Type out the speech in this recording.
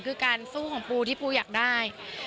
คือการสู้ของปูที่ปูอยากได้